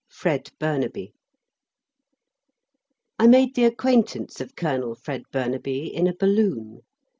"FRED" BURNABY I made the acquaintance of Colonel Fred Burnaby in a balloon.